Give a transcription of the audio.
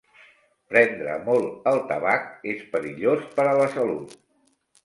Prendre molt el tabac és perillós per a la salut.